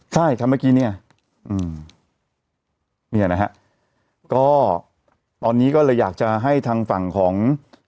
ใช่ครับเมื่อกี้เนี่ยอืมเนี่ยนะฮะก็ตอนนี้ก็เลยอยากจะให้ทางฝั่งของ